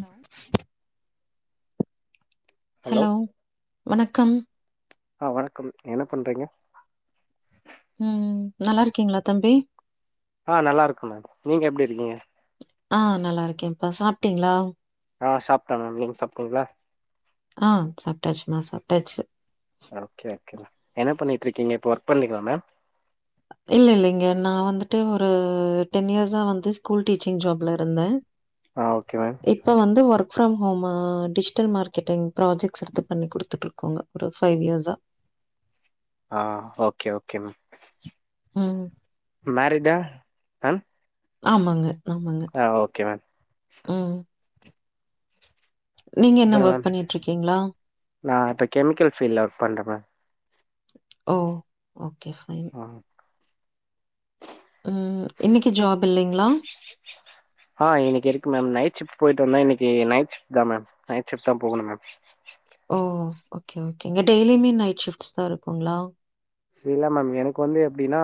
Hello hello வணக்கம் ஆ வணக்கம் என்ன பண்றீங்க ம் நல்லா இருக்கீங்களா தம்பி ஆ நல்லா இருக்க மேம் நீங்க எப்டி இருக்கீங்க ஆ நல்லா இருக்கேப்பா சாப்டீங்ளா ஆ சாப்ட்ட மேம் நீங்க சாப்டீங்க்ளா ஆ சாப்ட்டாசுமா சாப்ட்டாச்சு ஓகே ஓகே மே என்ன பண்ணிட்ருகிங்க இப்போ ஒர்க் பண்றீங்ளா மேம் இல்ல இல்லைங்க நா வந்துட்டு ஒரு டென் இயர்ஸா வந்து ஸ்கூல் டீச்சிங் ஜாப்ல இருந்த ஆ ஓகேங்க இப்ப வந்து work from home digital marketing projects எடுத்து பண்ணி கொடுத்துட்ருக்கோங்க ஒரு ஃபைவ் இயர்ஸா ஆ ஓகே ஓகே மே ம் மேரீட் ஆ அ ஆமாங்க ஆமாங்க ஓகே மேம் ம் நீங்க என்ன அப்புறௌ ஒர்க் பண்ணிட்டு இருக்கீங்களா நா இப்ப கெமிக்கல் ஃபீல்ட்ல ஒர்க் பண்றேமா ஓ ஓகே ஃபைன் ம் ம் இன்னிக்கு ஜாப் இல்லைங்ளா [inaudible] ஆ இன்னிக்கு இருக்கு மேம் நைட் ஷிஃப்ட் போயிட்டு வந்த இன்னிக்கு நைட் ஷிஃப்ட் தா மேம் நைட் ஷிஃப்ட் தா போகனு மேம் ஓ ஓகே ஓகே இங்க டெய்லியுமே நைட் ஷிஃப்ட்ஸ் தா இருக்குங்ளா இல்ல மேம் எனக்கு வந்து எப்டின்னா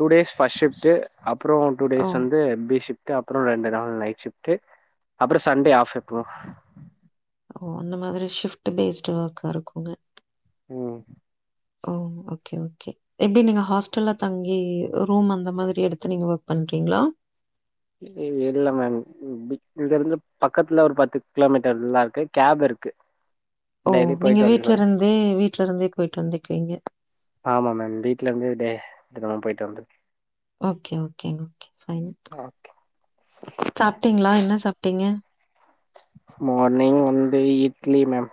டூ டேஸ் ஃபஸ்ட் ஷிப்ட்டு அப்புரோ டூ ஓ! டேஸ் வந்து பிசி அப்பரோ ரெண்டு நாள் நைட் ஷிஃப்டு அப்பரோ சண்டே ஆஃப் எப்ப ஓ அந்த மாதிரி ஷிஃப்ட்டு பேஸ்ட்டு ஒர்க்கா இருக்குங்க ம் ஓ ஓகே ஓகே எப்டி நீங்க ஹாஸ்டல்ல தங்கி ரூம் அந்த மாதிரி எடுத்து நீங்க ஒர்க் பண்றீங்ளா இல் இல்ல மேம் இதுலருந்து பக்கத்துல ஒரு பத்து கிலோமீட்டர்ல்லா இருக்கு கேப்ல இருக்கு ஓ டெய்லி நீங்க போயிட்டு வீட்ல வந்துருவே இருந்தே வீட்ல இருந்தே போயிட்டு வந்துக்குவீங்க ஆமா மேம் வீட்லருந்து டே இப்பதா போய்ட்டு வந்த okay okay okay fine okay சாப்டீங்களா என்ன சாப்டீங்க மார்னிங் வந்து இட்லி மேம்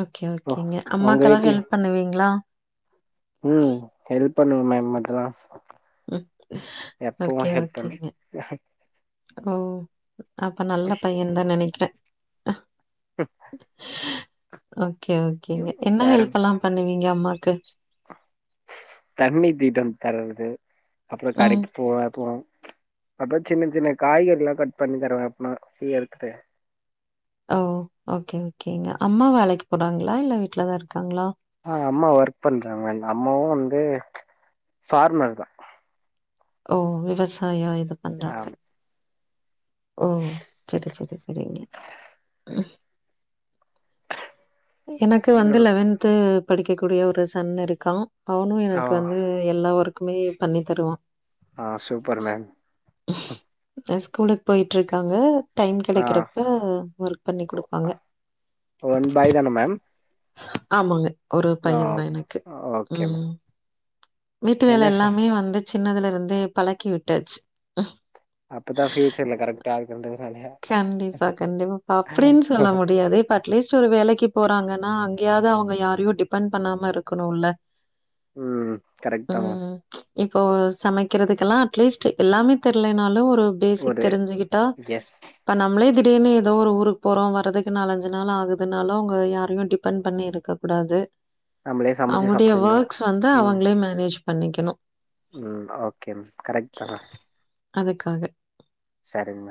ஓகே ஓ, ஓகேங்க உங்க அம்மாக்கெல்லா வீட்ல ஹெல்ப் பண்ணுவீங்களா ம் ஹெல்ப் பண்ணுவ மேம் மதுவா ம். எப்பவு ஓகே, ஹெல்ப் பண்ணி ஓகேங்க. ஓ அப்ப நல்ல பையன்தா நெனைக்கிறே [inaudible] ஓகே ஓகேங்க என்ன வேற ஹெல்பல பண்ணுவீங்க அம்மாக்கு தண்ணி தீட்டம் தரறது அப்புரோ ம். கடைக்கு போவா போ சின்ன சின்ன காய்கறிலா கட் பண்ணி தருவே அப்னா ஃப்ரிய இருகுது ஓ ஓகே ஓகேங்க அம்மா வேலைக்கு போறாங்ளா இல்ல வீட்லதா இருக்காங்ளா ஆ அம்மா ஒர்க் பண்றாங்க அம்மாவு வந்து ஃபார்மர்தா ஓ விவசாய இது பண்றாங்க ஆமா ஓ சரி சரி சரிங்க ம் எனக்கு வந்து அப்புறோ லெவன்து படிக்க கூடிய ஒரு சன் இருக்கா அவனு எனக்கு வந்து எல்லா வர்க்குமே பண்ணி தருவா ஆ சூப்பர்மேம் ஸ்கூலுக்கு போயிட்ருக்காங்க டைம் ஆ கெடக்கிறப்ப வர்க் பண்ணி குடுப்பாங்க ஒன் பாய் தான மேம் ஆமாங்க ஒரு ஆ பையந்தா எனக்கு ஓகே மேம் ம் வீட்டு என்ன வேல சார் எல்லாமே வந்து சின்னதுல இருந்தே பழக்கி உட்டாச்சு அப்பதா ஃபியூச்சர்ல கரெக்ட்டா இருக்கூண்ட்டு கண்டிப்பா கண்டிப்பா பா அப்டின்னு சொல்ல முடியாது அட்லீஸ்ட் ஒரு வேலக்கு போறாங்கன்னா அங்கயாவது அவங்க யாரையு டிபெண்ட் பண்ணாம இருக்கணுல்ல ம் கரெக்ட் தா மா இப்போ சமக்கறதுக்கெல்லா அட்லீஸ்ட் எல்லாமே தெர்லனாலு ஒரு பேசிக் ஒரு தெருஞ்சுகிட்டா எஸ் இப்ப நம்ளே திடீர்னு ஏதோ ஒரு ஊருக்கு போறோ வரதுக்கு நாலஞ்சு நாள் ஆகுதுனாலோ அவ்ங்க யாரையு டிபெண்ட் பண்ணி இருக்க கூடாது நம்மளே சமைச்சு அவங்களுடைய சாப்ட்டுணு வர்க்ஸ் வந்து ம் அவங்களே மேனேஜ் பண்ணிக்கணு‌ ம் ஓகே மேம் கரெக்ட்தா மேம் அதுக்காக செரிங்க.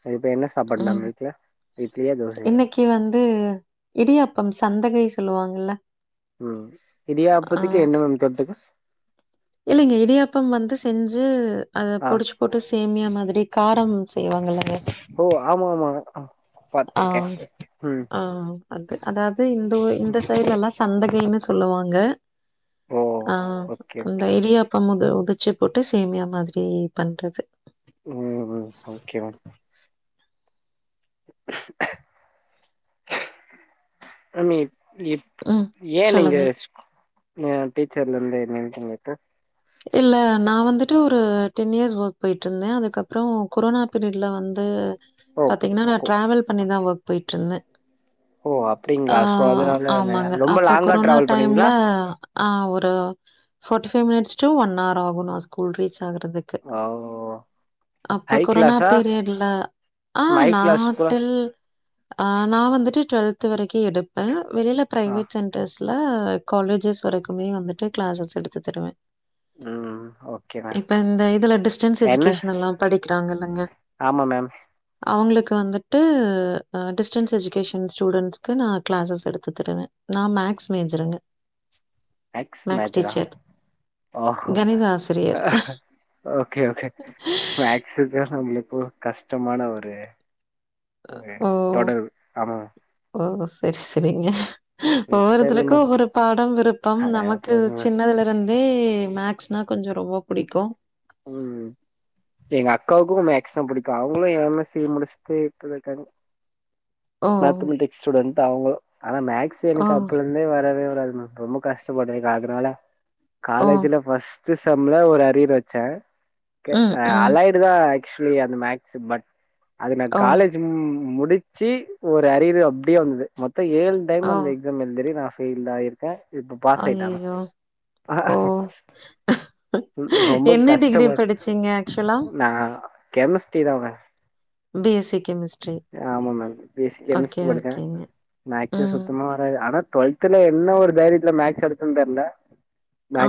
செரி இப்ப என்ன சாபாடு நம்ம வீட்ல. இட்லியா தோசையா கி வந்து இடியாப்பம் சந்தகை சொல்லுவாங்கல்ல. ம் ஆ இடியாப்பத்துக்கு என்ன மேம் தொட்டுக இல்லிங்க இடியாப்பம் வந்து செஞ்சு அ ஆ புடுச் போட்டு சேமியா மாதிரி காரம் செய்வாங்கல்லங்க ஓ ஆமா மா அ ஆ ஆ அது அதாவுது இந்த உ இந்த ம். சைடுலெல்லாம் சந்தகைன்னு சொல்லுவாங்க. ஓ ஆ ஓகே அந்த ஓகே இடியா ஆமங்க உதுச்சி போட்டு சேமியா மாதிரி பண்றது. ம் ம் ம் ஓகே மேம் மேம் எ எ ம். [inaudible] ஏன் நீங்க சொல்லுங்க. ஸ் ஏ டீச்சர்லேருந்து நின்னுட்டீங்க ப்ப இல்ல நா வந்துட்டு ஒரு டென் இயர்ஸ் வோக் போயிட்ருந்த அதுக்கப்புறம் கொரோனா பீரியட்ல வந்து ஓ பாத்தீங்கன்னா நான் ஓ டிராவல் பண்ணிதான் ஒர்க் போயிட்டு இருந்த ஓ ஆ அப்டிங்களா சோ அதனால ந- ஆமாங்க ரொம்ப அப்ப லாங்கா கொரோனா டிராவல் டைம்ல பண்ணுவீங்களா ஆ ஒரு forty five minutes to one hour ஆகும் நா ஸ்கூல் ரீச் ஆகுறது துக் ஓ அப்ப ஹை கொரோனா கிளாஸா பீரியட்ல ஆ ஹை கிளாஸ் கூட நாவந்ட்டு ஆ நான் வந்துட்டு டுவல்த் வரைக்கும் எடுப்ப வெளில ஆ பிரைவேட் சென்டர் ரெஸ்ல காலேஜஸ் வரைக்குமே வந்துட்டு கிளாஸஸ் எடுத்து தருவ ம் ம் ஓ இப்ப இந்த இதுல டிஸ்டன்ஸ் எஜுகேஷனல்லா படிக்கிறாங்கல்லங்க. ஆமா மேம் அவுங்களுக்கு வந்துட்டு அ டிஸ்டன்ஸ் எஜுகேஷன் ஸ்டூடெஸ்க்கு நா க்ளாஸஸ் எடுத்து தருவ நா மேக்ஸ் மேஜருங்க மேக்ஸ் மேஜரா ஆஹ கணித ஆசிரியர். அஹ ஓகே ஓகே மேக்ஸுக்கு ப்ப நம்ளுக்கு கஷ்டமான ஒரு ஒரு ஓ! தொடர் ஆமாங் ஓ செரி செரிங்க இப்ப இல்ல ஒவ்வொருத்தருக்கு மேம் ஒவ்வொரு பாடம் விருப்பம் அட நமக்கு போங்க மேம் சின்னதுலெ வந்தே மேக்ஸ்னா கொஞ்சோ ரொம்ப புடிக்கு. ம் ம் ம் எங்க அக்காவுக்கு மேக்ஸ்னா புடிக்கு அவுங்களு எம் எஸ் சி முடிச்சுட்டு இப்ப இருக்காங்க. ஓ! மேத்தமெட்டிக்ஸ் ஸ்டூடண்ட் அவுங்களு. ஆனா மேக்ஸ் ஓ! எனக்கு அப்பலேந்தே வரவே வராது மேம். ரொம்ப கஷ்டப்படுறீங்க அதனால ஓ! காலேஜ்ல ஃபர்ஸ் சிஸ் செம்ல ஒரு அரியரு வச்ச ஒகே ம், ம். அலைய் இதுல ஆக்சுவலி அந்த மேக்ஸ் பட் அது நா ஓ! காலேஜ் ம்ம்ம்ம் முடிச்சி ஒரு அரியரு அப்படியே வந்தது மொத்த ஏழு டைம் ஓ! அந்த எக்ஸாம் எழுதுறி நா ஃபெயில் ஆயிரு அ இப்ப பாஸ் ஆய்ட்ட ஆமா அய்யய்யோ! ஓ! ம் ரொம்ப என்ன டிகிரி கஷ்டமா படிச்சீங்க ஆக்சுவலா? நா கெமிஸ்டரி தா பிஎஸ்சி கெமிஸ்ட்ரி. ஆமா மேம் பேசிக் ஓகே, கெமிஸ்ட்ரி படிச்ச ஓகேங்க. மேக்ஸ் ம். சுத்தமா அ வராது ஆனா டுவல்துல என்ன ஒரு தைரியத்துல மேக்ஸ் எடுத்ததெரில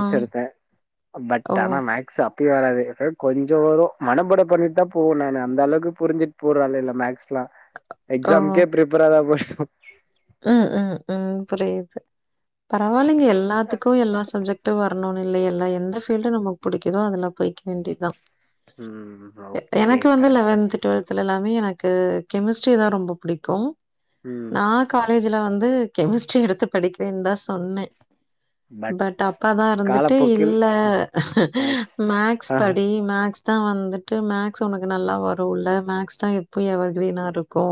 ஆ. எடுத்த ஓ! பட் ஆனா மேக்ஸ் அப்பய வராது கொஞ்சோ வரு மனபாட பண்ணிட்டு தா போப்றாங்க அந்த அளவுக்கு புரிஞ்சு பூர்ல இல்ல மேக்ஸல்லாம் ஓ! எக்ஸாம்க்கே பிரிப்பராதா போய் அ அ அம் புரியிது பரவாயில்லலைங்க எல்லாத்துக்கும் எல்லா சப்ஜெக் யிட்டு வரணுன்னு இல்லை எல்ல எந்த ஃபீல்ட் நமக்கு பிடிக்குதோ அதுல போய்க வேண்டியதா ம் எ ஓகே எனக்கு வந்து கரெக்ட் லெவன்த்து டுவெல்த் செல எல்லாமே எனக்கு கெமிஸ்ட்ரி தா ரொம்ப புடிக்கும் ம் நான் காலேஜுல வந்து கெமிஸ்ட்ரி எடுத்து படிக்கிறேன்தா சொன்னே பட் அப்பாதா இருந்துட்டு காலப்போக்கில் இல்ல மேக்ஸ் மேக்ஸ் படி மேக்ஸ் அதா வந்துட்டு மேக்ஸ் உனக்கு நல்லா வரோல மேக்ஸ்தா எப்பயோ எவர் கிரீனா இருக் கோ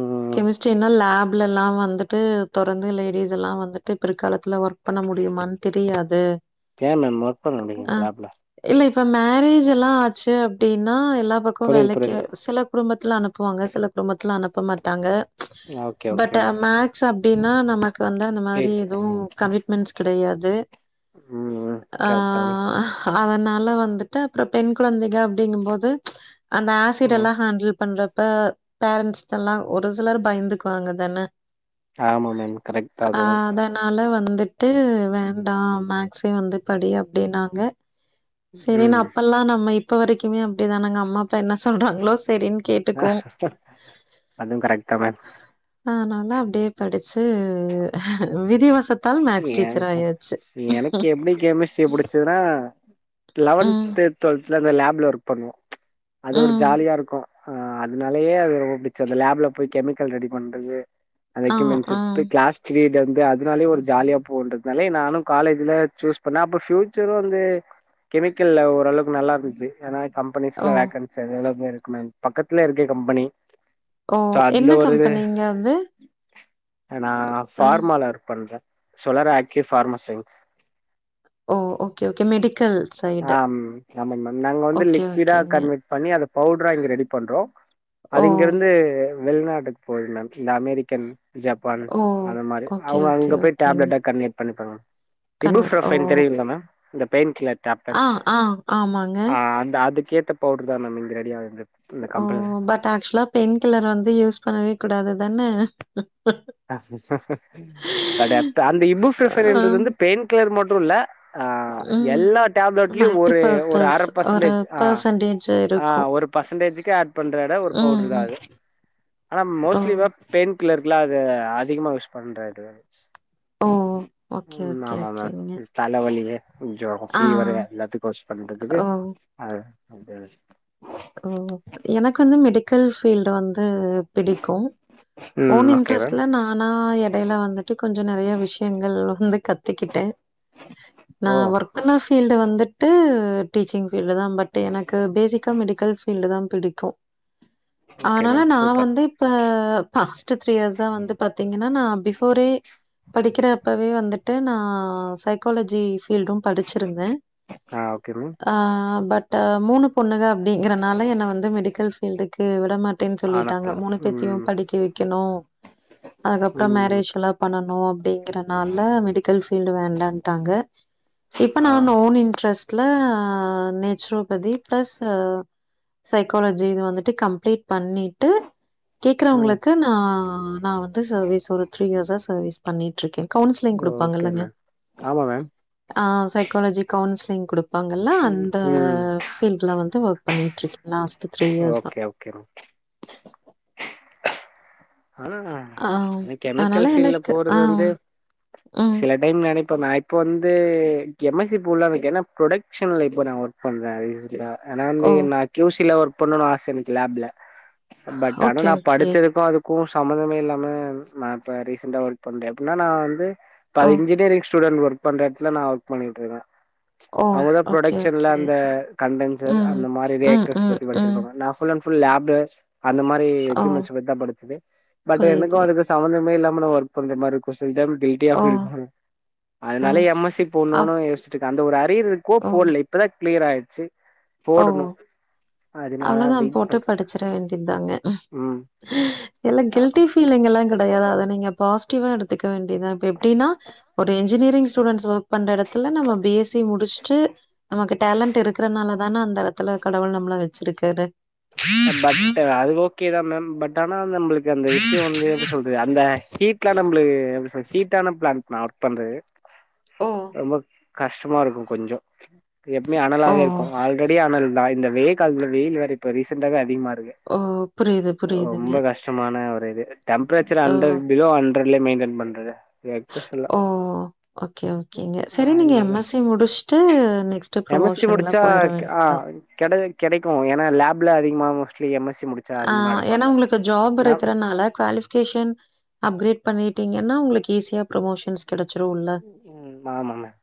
ம் கெமிஸ்ட்ரீனா லேப் உள்ளலா வந்துட்டு தொடர்ந்து லேடிஸ் எல்லா வந்துட்டு பிற்காலத்துல ஒர்க் பண்ண முடியுமான் தெரியாது ஏ மேம் ஒர்க் பண்ண அ முடியுங்க லேப்ல இல்ல இப்ப மேரேஜ் எல்லா ஆச்சு அப்டீன்னா எல்லா பக்கோ புரியுது வேலைக்கு புரியுது சில குடும்பத்துல அனுப்புவாங்க சில குடும்பத்துல அனுப்ப மாட்டாங்க okay okay but ma'am maths அப்டீன்னா நமக்கு வந்து அந்த மாரி கேச்சு. எதுவு கமிட்மெண்ட்ஸ் கெடையாது ம் ஆ கரெக்ட் தான் அதனால வந்துட்டு அப்புறோ பெண் குழந்தைங்க அப்டீங்கும்போது அந்த ஆசிட் ம் எல்லா ஹேண்டில் பண்றப்ப பேரண்ட்ஸுக்குல்லா ஒரு சிலர் பயந்துக்குவாங்க தானே ஆமா மேம் கரெக்டாதா அதுவு நாலா வந்துட்டு வேண்டா மேக்ஸே வந்து படி அப்டீன்னாங்க சரின்னு ம் அப்பல்லா நம்ம இப்ப வரைக்குமே அப்டிதானுங்க அம்மா அப்பா என்ன சொல்றாங்களோ செரின்னு அதுவு கரெக்ட் தா மேம் அதனால அப்டியே படிச்சு விதி வசத் ஏ சா எனக்கு எப்டி கெமிஸ்ட்ரி புடிச்சதுன்னா ம், லெவன்து டுவெல்த்துலா அந்த லேப்ல ஒர்க் பண்ணுவோ அது ஒரு ம். ஜாலியாருக்கோ ஆ அதனாலயே அது ரொம்போ புடிச்சது அந்த லேப்ல போய் கெமிக்கல் ரெடி பண்றது அந்த ஆ, எக்யூப்மென்ட்ஸு ஆ. எடுத்து க்ளாஸ் லீடர்ந்து அதனாலே ஒரு ஜாலியா போவுன்றதுனாலே நானோ காலேஜ்ல சூஸ் பண்ணே அப்றோ ஃபியூச்சரு வந்து கெமிக்கல்ல ஓரளவுக்கு நல்லா இருந்துச்சு ஏன்னா கம்பெனிஸ்ல ஓ, வேக்கன்சி அவைலபில்லா இருக்கு மேம் பக்கத்துல இருக்கே கம்பெனி ஓ. சோ அந்த என்ன ஒரு இது கம்பெனிங்க அது? நா ஆ. ஃபார்மால ஒர்க் பண்றே சோலார் ஆக்கீவ் ஃபார்மா சைன்ஸ் ஓ ஓகே ஓகே மெடிக்கல் சைடு. ஆம் ஆமாங்க மேம் நாங்க வந்து ஓகே, லிக்விடா ஓகேங்க. கன்வெர்ட் பண்ணி அத பவுடரா இங்க ரெடி பண்றோ ஓ! அது இங்கிருந்து வெளிநாட்டுக்கு போகுது மேம் இந்த அமெரிக்கன் ஜப்பான் ஓ! அந்த மாரி ஓகே, அவுங்க ஓகே, அங்க போய் ஓகேங்க. டேப்லெட்டா கன்வெர்ட் பண்ணிப்பாங்க இபு கன்வெர்ட் ஓ! ப்ரோஃபைல் தெரியுல மேம் அந்த பெயின் கில்லர் ஆ, டாப்டக் ஆ, ஆமாங்க. அ அந்த அதுக்கேத்த பவுடுருதா மேம் இங்க ரெடியா ஆகுது இந்த ஓ கம்பெனில பட் ஆச்சுவலா பெயின் கில்லர் வந்து யூஸ் பண்ணவே கூடாதுதானே பட் அந்த இபு ப்ரோஃபைல் இன்றது ஆம், வந்து பெயின் கில்லர் மட்டு இல்ல ஆ ம். எல்லா டாப்லட்லயு மல்டி ஒரு ஒரு பர்ப்பஸ் அர ஒரு பசன்டேஜ் ஆ பெர்சன்டேஜ் ஆ இருக்கும். ஒரு பசன்டேஜ்க்கு ஆட் பண்ற எட ஒரு ம், பவுடுரு தா ம். அது ஆனா ஓ! மோஸ்ட்லி வோ பெய்ன் கில்லர்குல்லா அத அதிகமா யூஸ் பண்ற இதாயிச்சு ஓ! ஓகே, ம் ஓகே, ஆமாங்க ஓகேங்க. திஸ் தலவலியே ஜொரோ ஆ, ஃபீவரு எல்லாத்துக்கோ பண்றதுக்கு ஓ, ஆ இதே ஓ எனக்கு வந்து மெடிக்கல் ஃபீல்டு வந்து பிடிக்கோ ஓன் ம் ஓகே மேம் இன்ட்ரெஸ்ட்ல நானா எ டைல வந்துட்டு கொஞ்சோ நெறைய விஷ்யங்கள் வந்து கத்துக்கிட்டு நா ஓ ஒர்க் பண்ண ஃபீல்டு வந்துட்டு டீச்சிங் ஃபீல்டு தா பட் எனக்கு பேசிக் கா மெடிக்கல் ஃபீல்டு தா பிடிக்கோ ஓகே அதனால மேம் நா சூப்பர் வந்து இப்ப பாஸ் ட்டு த்ரீ இயர்ஸ் தா வந்து பாத்தீங்கன்னா நா பி ஃபோரே படிக்கிற அப்பவே வந்துட்டு நா சைக்காலஜி ஃபீல்டும் படிச்சிருந்தே ஆ ஓகே மேம் ஆ பட் மூணு பொண்ணுங்க அப்டீங்றனால என்ன வந்து மெடிக்கல் ஃபீல்டுக்கு விடமாட் டேனு ஆனப்பழ சொல்லிட்டாங்க மூணு பேத்தயு ம் ‌படிக்க வெக்கணோ அதுக்கப்றோ ம் மேரேஜ்லா பண்ணனோ அப்டின் ன்றனால மெடிக்கல் ஃபீல்டு வேண்டான்ட்டாங்க இப்ப நா ஆ ஓன் இன்ட்ரெஸ் ட்ல நேச்ரோபதி ப்ளஸ் அ சைக்காலஜி இது வந்துட்டு கம்ப்ளீட் பண்ணிட்டு ம் கேக்றவங்களுக்கு நா நா வந்து சர்வீஸ் ஒரு த்ரீ இயர்ஸா சர்வீஸ் பண்ணிட்ருக்கே கவுன்சிலிங் ஓகே குடுப்பாங்கல்லங்க மேம் ஆமா மேம் ஆ சைகாலஜி கவுன்சிலிங் குடுப்பாங்கல்ல அந்த ம் ஃபீல்ட்ல வந்து ஒர்க் பண்ணிட்டுருக்கே லாஸ்ட்டு த்ரீ இயர்ஸ்ஸா ஓகே ஓகே ஆனா ஆ அந்த அதனால கெமிக்கல் ஃபீல்ட்ல எனக்கு போறது ஆ வந்து ம். சில டைம் நெனைப்பே நா இப்போ வந்து எம் எஸ் சி போட்லான் இருக்கே என்னா ப்ரொடக்ஷன்ல இப்ப நா ஒர்க் பண்றே [unintelligible] ஆனா வந்து ஓ! நா க்யூசில ஒர்க் பண்ணுன்னு ஆச எனக்கு லேப்ல பட் ஆனா ஓகே, நா ஓகே. படிச்சதுக்கு அது க்கு சம்மந்தமே இல்லாம நா இப்ப ரீசெண்டா ஒர்க் பண்றே எப்டின்னா நா வந்து இப்ப ஓ! இன்ஜினியரிங் ஸ்டூடெண்ட் ஒர்க் பண்ற எட்த்துல நா ஒர்க் பண்ணிட்ருக்கே ஓ! அவுங்க தா ஓகே, ப்ரொடக்ஷன்ல ஓகே. அந்த கண்டன்சர் அந்த மாரி ரியாக்டர்ஸ் பத்தி படிச்சிருப்பாங்க நா ஃபுல்லன்ஃபுல் லேப்ல அந்த மாரி எக்கியூப்மெண்ட்ஸ் பத்தி தா படிச்சது பட் எனக்கு புரியுது. அதுக்கு தா சம்மந்தமே இல்லாம நா ஒர்க் பண்ற மாரிருக்கு சில டைம் கில் டியா ஓ! ஃபீல் பண்ணுவே ஓ! அதனால எம் எஸ் சி அப் போணுனு யோச்சுட்டுருக்கே அந்த ஒரு அரியர் இருக்கு ஓ! போலே இப்ப தா க்ளியராயிச்சு ஓ அவ்ளோதா வெயிட் போட்டு பண்றே படிச்சிற வேண்டியதாங்க ம் இல்ல கில்டி ஃபீலிங்லா கெடையாது அத நீங்க பாசிட்டிவா எடு துக்க வேண்டிதா இப்ப எப்டினா ஒரு இன்ஜினியரிங் ஸ்டூடெண்ட்ஸ் ஒர்க் பண்ற எடத்துல நம்ம பி எஸ் சி முடிச் சு நமக்கு டேலண்ட் இருக்றனால தான அந்த எடத்துல கடவுள் நம்ள வெச்சிருக்காரு அ பட் டு அது ஓகே தா மேம் பட் டு ஆனா நம்ளுக்கு அந்த விஷ்யோ வந்து எப்டி சொல்றது அந்த ஹீட்ல நம்ளுக்கு எப்டி சொ ஹீட்டான ப்ளான்ட் நா ஒர்க் பண்றது ஓ! ரொம்ப கஷ்டமாருக்கு கொஞ்சோ எப்மே ஓ! அனலாவே இருக்கு ஆல்ரெடி அனல் தா இந்த வெயி காலத்துல வெயிலு வேற இப்ப ரீசண்டாவே அதிகமாருக்கு ஓ! புரியுது, புரியுதுங்க. ரொம்ப கஷ்டமான ஒரு இது டெம்பரேச்சர் ஓ! அண்டர் பிலோ அண்ட்ரல மெய்ன்டன் பண்றது எக்கச்செல்லா ஓ ஓகே ஓகேங்க செரி நீங்க எம் அதனால எஸ் சி முடிஷ்ட்டு நெக்ஸ்ட் எம் எஸ் சி ப்ரமோஷன்ல முடிச்சா போயிற ஆ வேண்டியதுதான். கெடைக்கு ஏன்னா லேப்ல அதிகமா மோஸ்ட்லி எம் எஸ் சி முடிச்ச ஆ ஏன்னா உங்களுக்கு ஜாப் இருக்கறனால குவாலிஃபை லொகேஷன் அப்கிரேட் பண்ணிட்டீங்கன்னா உங்களுக்கு ஈஸியா பிரமோஷன்ஸ் கெடைச்சிருல்ல ம் ஆமா மேம்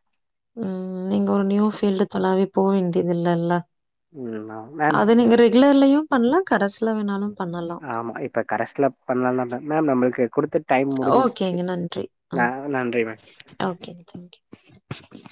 ம் நீங்க ஒரு நியூ பீல்டு தொலாவி போ வேண்டியது இல்லல்ல ம் ஆ மேம் அது நீங்க ரெகுலர்லயு பண்ணலா கரசுல வேணாலு பண்ண ஆமாம் இப்ப கரஸ்ல பண்ணலால்ல மேம் நம்மளுக்கு குடுத்துட் டைம் முடிஞ்ச்சிருச்சு ஓகேங்க. நான் நன்றி ma'am okay okay okay okay